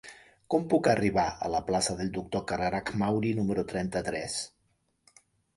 Com puc arribar a la plaça del Doctor Cararach Mauri número trenta-tres?